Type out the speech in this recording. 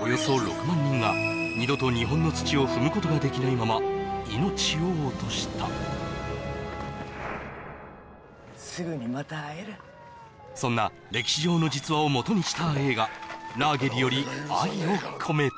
およそ６万人が二度と日本の土を踏むことができないまま命を落としたすぐにまた会えるそんな歴史上の実話をもとにした映画「ラーゲリより愛を込めて」